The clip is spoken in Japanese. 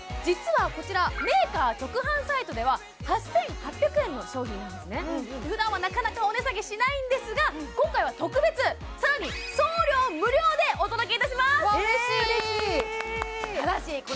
実はこちらメーカー直販サイトでは８８００円の商品なんですねふだんはなかなかお値下げしないんですが今回は特別更に送料無料でお届けいたします嬉しい！